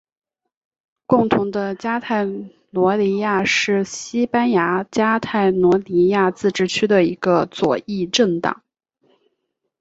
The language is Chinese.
共同的加泰罗尼亚是西班牙加泰罗尼亚自治区的一个左翼政党。